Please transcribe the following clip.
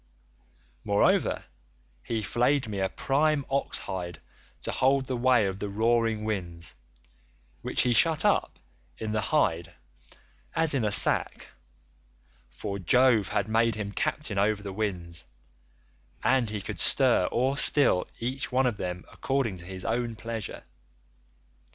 Moreover, he flayed me a prime ox hide to hold the ways of the roaring winds, which he shut up in the hide as in a sack—for Jove had made him captain over the winds, and he could stir or still each one of them according to his own pleasure.